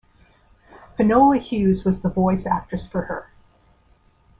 Finola Hughes was the voice actress for her.